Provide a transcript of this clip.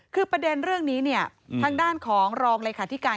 คือประเด็นเรื่องนี้เนี่ยทางด้านของรองเลขาธิการ